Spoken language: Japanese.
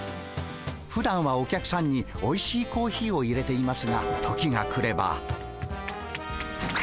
ふだんはお客さんにおいしいコーヒーをいれていますが時が来れば。